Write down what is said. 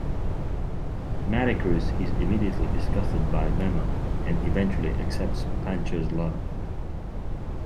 Maricruz is immediately disgusted by Memo and eventually accepts Pancho's love.